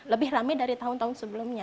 lebih rame dari tahun tahun sebelumnya